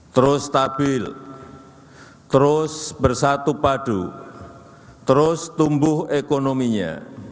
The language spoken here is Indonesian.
terus stabil terus bersatu padu terus tumbuh ekonominya